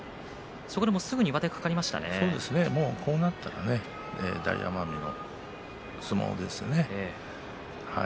こうなりますと大奄美の相撲ですね。